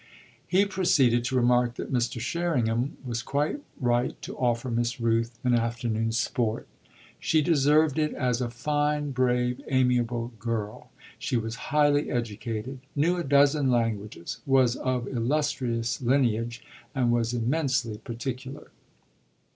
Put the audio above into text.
He proceeded to remark that Mr. Sherringham was quite right to offer Miss Rooth an afternoon's sport; she deserved it as a fine, brave, amiable girl. She was highly educated, knew a dozen languages, was of illustrious lineage, and was immensely particular.